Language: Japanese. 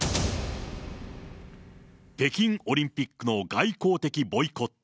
北京オリンピックの外交的ボイコット。